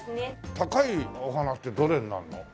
高いお花ってどれになるの？